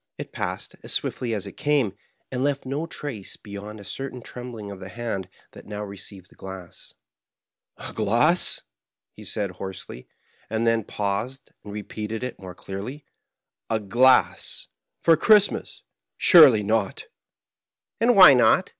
It passed as swiftly as it came, and left no trace beyond a certain trembling of the hand that now received the glass. "A glass," he said, hoarsely, and then paused, and repeated it more clearly. "A glass! For Christmas! Surely not!" " And why not